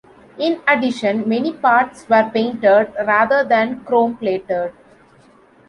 In addition, many parts were painted rather than chrome plated.